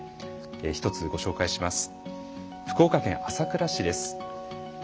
１つご紹介します。